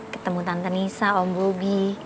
ketemu tante nisa om bobi